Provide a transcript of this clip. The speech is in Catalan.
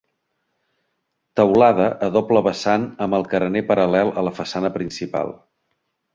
Teulada a doble vessant amb el carener paral·lel a la façana principal.